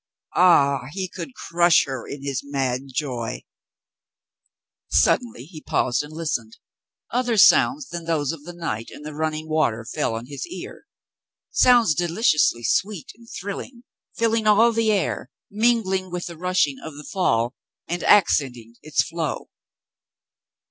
Ah, he could crush her in his mad joy ! Suddenly he paused and listened. Other sounds than those of the night and the running water fell on his ear — sounds deliciously sweet and thrilling, filling all the air, mingling with the rushing of the fall and accenting its flow.